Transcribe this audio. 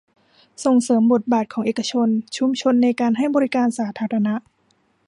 ส่งเสริมบทบาทของเอกชน ชุมชน ในการให้บริการสาธารณะ